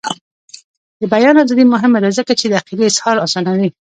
د بیان ازادي مهمه ده ځکه چې د عقیدې اظهار اسانوي.